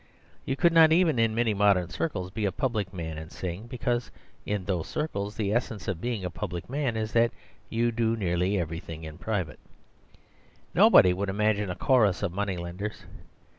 You could not even in many modern circles be a public man and sing; because in those circles the essence of being a public man is that you do nearly everything in private. Nobody would imagine a chorus of money lenders.